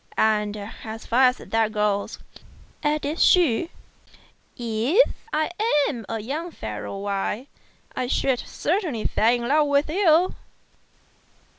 And, as far as that goes," added she, "if I were a young fellow why I should certainly fall in love with you."